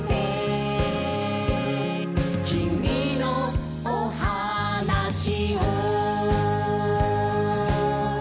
「きみのおはなしを」